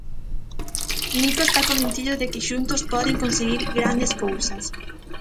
Nico está convencido de que xuntos poden conseguir grandes cousas.